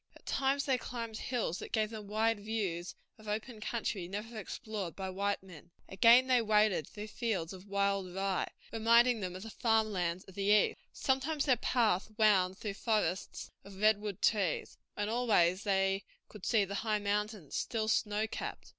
At times they climbed hills that gave them wide views of open country never explored by white men; again they waded through fields of wild rye, reminding them of the farm lands of the East; sometimes their path wound through forests of redwood trees, and always they could see the high mountains, still snow capped.